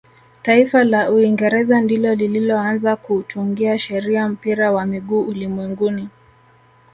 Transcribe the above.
taifa la uingereza ndilo lililoanza kuutungia sheria mpira wa miguu ulimwenguni